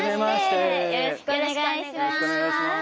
よろしくお願いします。